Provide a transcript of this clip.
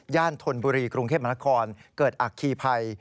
ธนบุรีกรุงเทพมนาคมเกิดอัคคีภัย